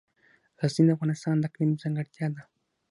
غزني د افغانستان د اقلیم ځانګړتیا ده.